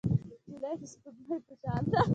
نجلۍ د سپوږمۍ په شان ده.